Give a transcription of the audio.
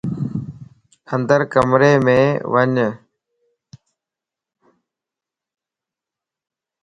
اندر ڪمريءَ مَ وڃ